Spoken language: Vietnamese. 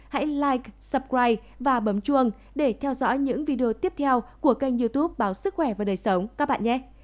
hãy live supride và bấm chuông để theo dõi những video tiếp theo của kênh youtube báo sức khỏe và đời sống các bạn nhé